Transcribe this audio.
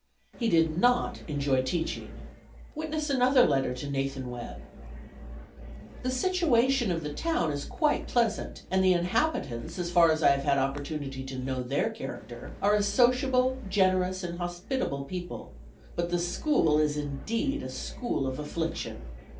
He did not enjoy teaching; witness another letter to Nathan Webb. "The situation of the town is quite pleasant, and the inhabitants, as far as I have had opportunity to know their character, are a sociable, generous, and hospitable people; but the school is indeed a school of affliction.